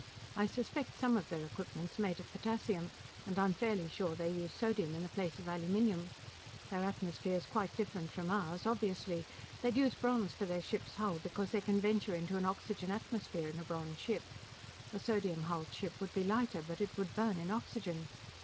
I suspect some of their equipment's made of potassium, and I'm fairly sure they use sodium in the place of aluminum. Their atmosphere's quite different from ours obviously! They'd use bronze for their ship's hull because they can venture into an oxygen atmosphere in a bronze ship. A sodium hulled ship would be lighter, but it would burn in oxygen.